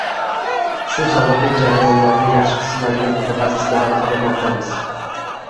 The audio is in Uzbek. Shu sababli jarayonlarni yaxshi tushunadigan mutaxassislarni qidirmoqdamiz.